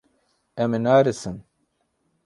Em ê nearêsin.